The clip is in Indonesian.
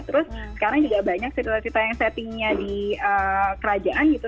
terus sekarang juga banyak cerita cerita yang settingnya di kerajaan gitu